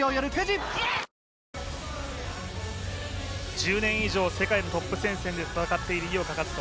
１０年以上世界のトップ戦線で戦っている井岡一翔。